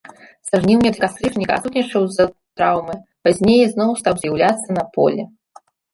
Са жніўня да кастрычніка адсутнічаў з-за траўмы, пазней зноў стаў з'яўляцца на полі.